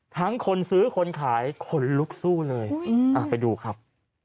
คนซื้อคนขายขนลุกสู้เลยไปดูครับ